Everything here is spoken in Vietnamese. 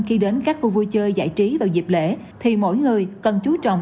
khi đến các khu vui chơi giải trí vào dịp lễ thì mỗi người cần chú trọng